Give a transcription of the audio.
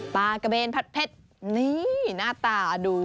ปลากระเบนพัดเพชรนี่หน้าตาดู